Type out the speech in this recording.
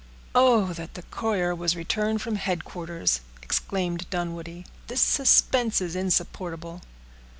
"Oh! that the courier was returned from headquarters!" exclaimed Dunwoodie. "This suspense is insupportable."